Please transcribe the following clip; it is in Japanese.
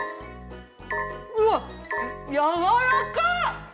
うわっ、やわらか！